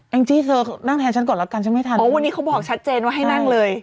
งจี้เธอนั่งแทนฉันก่อนแล้วกันฉันไม่ทันโอ้วันนี้เขาบอกชัดเจนว่าให้นั่งเลย